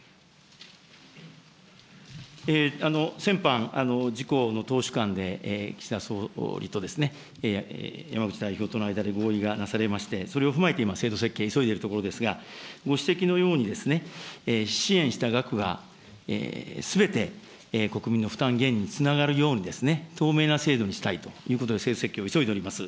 先般、自公の党首間で岸田総理と山口代表との間で合意がなされまして、それを踏まえて今、制度設計、急いでいるところですが、ご指摘のように支援した額がすべて国民の負担減につながるように、透明な制度にしたいということで、制度設計を急いでいます。